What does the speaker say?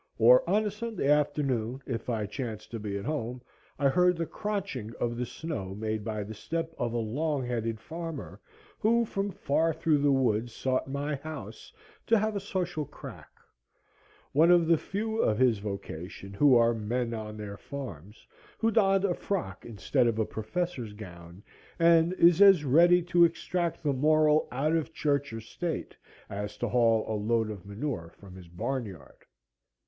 Or on a Sunday afternoon, if I chanced to be at home, I heard the cronching of the snow made by the step of a long headed farmer, who from far through the woods sought my house, to have a social "crack;" one of the few of his vocation who are "men on their farms;" who donned a frock instead of a professor's gown, and is as ready to extract the moral out of church or state as to haul a load of manure from his barn yard.